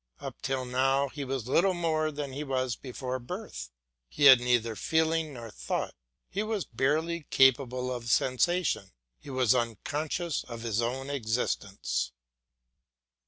Up till now, he was little more than he was before birth; he had neither feeling nor thought, he was barely capable of sensation; he was unconscious of his own existence.